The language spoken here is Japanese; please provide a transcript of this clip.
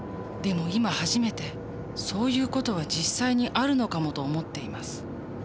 でも今初めてそういう事は実際にあるのかもと思っています